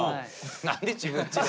何で自分ちの。